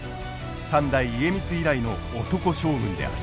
三代家光以来の男将軍である。